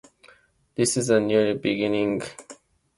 This is a new beginning.